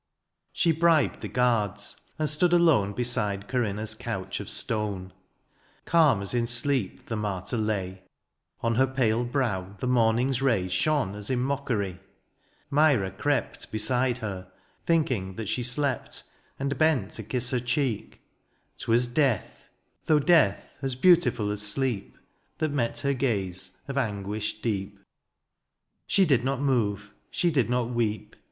She bribed the guards, and stood alone Beside Corinna^s couch of stone. Calm as in sleep the martyr lay ; On her pale brow the moming^s ray Shone as in mockery. Myra crept Beside her, thinking that she slept. And bent to kiss her cheek — ^'twas death ! Though death as beautiful as sleep. That met her gaze of anguish deep : She did not move, she did not weep.